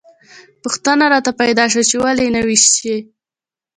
پوښتنه راته پیدا شوه چې ولې یې نه ویشي.